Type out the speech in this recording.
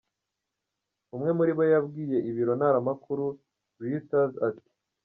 Umwe muri bo yabwiye ibiro ntaramakuru Reuters ati: .